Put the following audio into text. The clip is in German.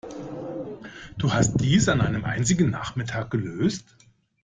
Du hast dies an einem einzigen Nachmittag gelöst?